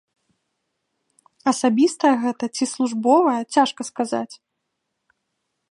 Асабістае гэта ці службовае, цяжка сказаць.